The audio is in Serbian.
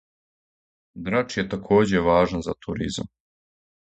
Драч је такође важан за туризам.